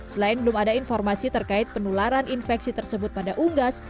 selain belum ada informasi terkait penularan infeksi tersebut pada unggas